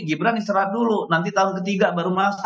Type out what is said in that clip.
gibran diserah dulu nanti tahun ketiga baru masuk